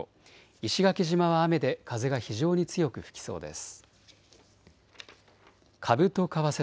石垣島は雨で風が非常に強く吹きそうです。